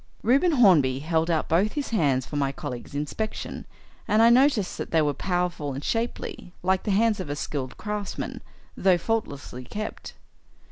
Reuben Hornby held out both his hands for my colleague's inspection, and I noticed that they were powerful and shapely, like the hands of a skilled craftsman, though faultlessly kept.